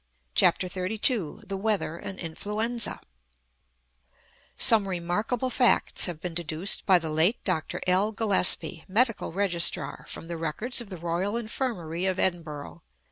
CHAPTER XXXII THE WEATHER AND INFLUENZA Some remarkable facts have been deduced by the late Dr. L. Gillespie, Medical Registrar, from the records of the Royal Infirmary of Edinburgh.